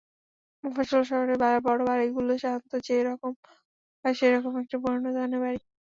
মফস্বল শহরের বড় বাড়িগুলি সাধারণত যে-রকম হয়, সে-রকম একটা পুরনো ধরনের বাড়ি।